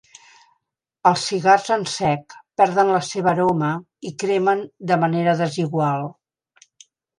Els cigars en sec perden la seva aroma i cremen de manera desigual.